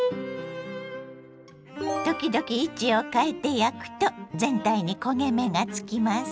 時々位置を変えて焼くと全体に焦げ目がつきます。